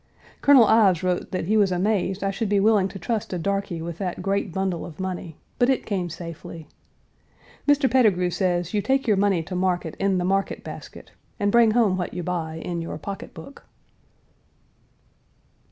Colonel Ives wrote that he was amazed I should be willing to trust a darky with that great bundle of money, but it came safely. Mr. Petigru says you take your money to market in the market basket, and bring home what you buy in your pocket book.